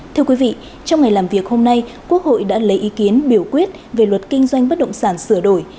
thưa quý vị trong ngày làm việc hôm nay quốc hội đã lấy ý kiến biểu quyết về luật kinh doanh bất động sản sửa đổi